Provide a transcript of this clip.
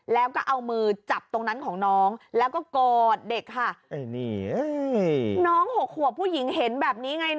แล้วก็เอามือจับตรงนั้นของน้อง